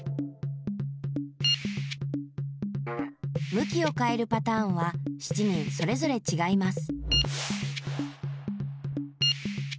むきをかえるパターンは７人それぞれちがいます。